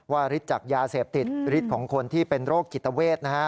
ว่าริตจากยาเสพติดริตของคนที่เป็นโรคกิตเวทนะฮะ